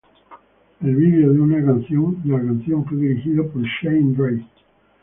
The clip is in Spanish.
El video de la canción fue dirigido por Shane Drake.